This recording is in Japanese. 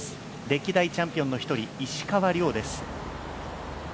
歴代チャンピオンの一人、石川遼です。